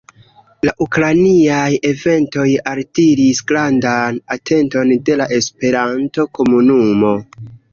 La ukrainiaj eventoj altiris grandan atenton de la Esperanto-komunumo.